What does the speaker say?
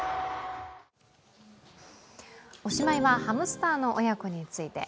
おしまいはハムスターの親子について。